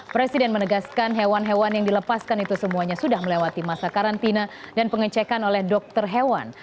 presiden menegaskan hewan hewan yang dilepaskan itu semuanya sudah melewati masa karantina dan pengecekan oleh dokter hewan